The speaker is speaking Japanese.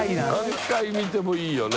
何回見てもいいよね。